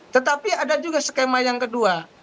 tetapi ada juga skema yang kedua